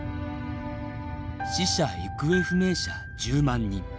死者行方不明者１０万人。